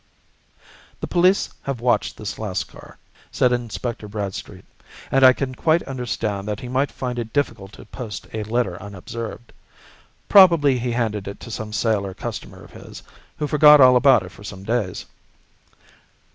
"The police have watched this Lascar," said Inspector Bradstreet, "and I can quite understand that he might find it difficult to post a letter unobserved. Probably he handed it to some sailor customer of his, who forgot all about it for some days."